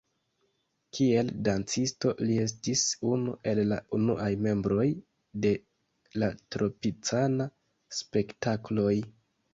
Kiel dancisto li estis unu el la unuaj membroj de la Tropicana-Spektakloj.